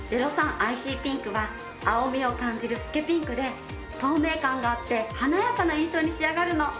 アイシーピンクは青みを感じる透けピンクで透明感があって華やかな印象に仕上がるの。